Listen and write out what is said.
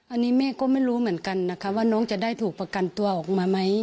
อันนี้แม่ก็ไม่รู้เหมือนกันนะคะว่าน้องจะได้ถูกประกันตัวออกมาไหม